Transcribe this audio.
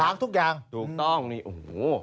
ล้างทุกอย่างถูกต้องโอ้โฮ